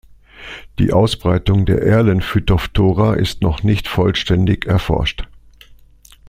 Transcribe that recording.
Die Ausbreitung der Erlen-Phythophthora ist noch nicht vollständig erforscht.